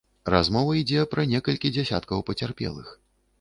Размова ідзе пра некалькі дзясяткаў пацярпелых.